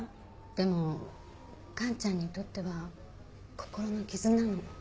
でも完ちゃんにとっては心の傷なの。